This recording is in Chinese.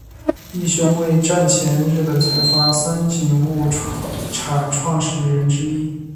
义兄为战前日本财阀三井物产创始人之一。